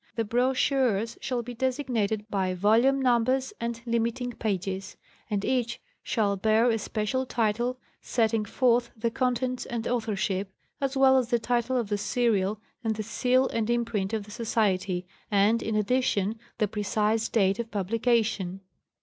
The brochures shall be designated by volume numbers and limiting pages ; and each shall bear a special title setting forth the contents and authorship, as well as the title of the serial and the seal and im print of the Society, and, in addition, the precise date of publica tion.